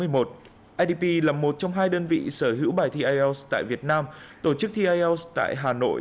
idp là một trong hai đơn vị sở hữu bài thi ielts tại việt nam tổ chức thi ielts tại hà nội